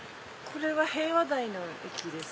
これは平和台の駅です。